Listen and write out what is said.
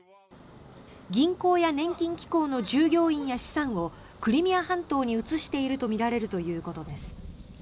銀行や年金機構の従業員や資産をクリミア半島に移しているとみられるということです。